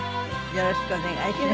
よろしくお願いします。